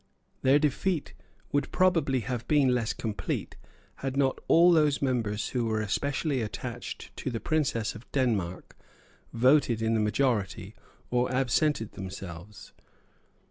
Their defeat would probably have been less complete, had not all those members who were especially attached to the Princess of Denmark voted in the majority or absented themselves.